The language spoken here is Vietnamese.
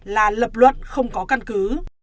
là lập luật không có căn cứ